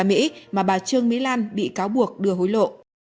mà bà trương mỹ lan bị cáo buộc đưa hối lộ